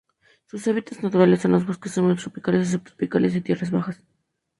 Sus hábitats naturales son los bosques húmedos tropicales y subtropicales de tierras bajas.